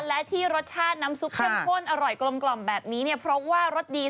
และที่รสชาติน้ำซุปเข้มข้นอร่อยกลมแบบนี้เนี่ยเพราะว่ารสดี